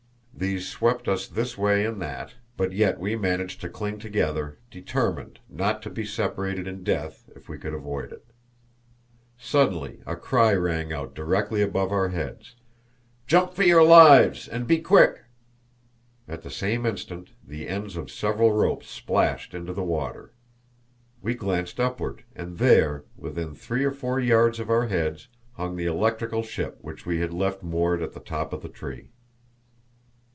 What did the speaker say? These swept us this way and that, but yet we managed to cling together, determined not to be separated in death if we could avoid it. Suddenly a cry rang out directly above our heads: "Jump for your lives, and be quick!" At the same instant the ends of several ropes splashed into the water. We glanced upward, and there, within three or four yards of our heads, hung the electrical ship, which we had left moored at the top of the tree.